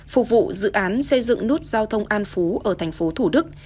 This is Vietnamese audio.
phục vụ dự án xây dựng nút giao thông an phú ở thành phố thủ đức